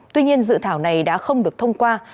tuy nhiên dự thảo này đã không được thông qua